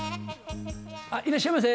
いらっしゃいませ。